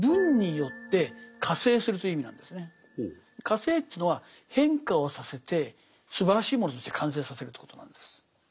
化成というのは変化をさせてすばらしいものとして完成させるということなんです。